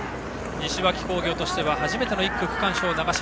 西脇工業としては初めての１区区間賞、長嶋。